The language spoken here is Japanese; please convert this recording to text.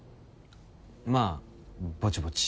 まあぼちぼち。